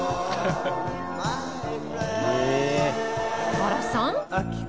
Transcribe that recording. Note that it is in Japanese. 「原さん？」